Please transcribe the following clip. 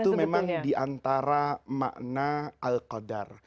itu memang diantara makna al qadar